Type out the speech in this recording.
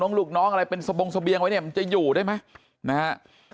ลูกน้องอะไรเป็นสบงเสบียงไว้เนี่ยมันจะอยู่ได้ไหมนะฮะ